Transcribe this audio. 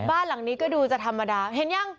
บ้านหลังนี้ก็ดูจะธรรมดาเห็นยัง